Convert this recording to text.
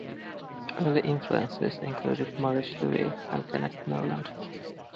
Early influences included Morris Louis and Kenneth Noland.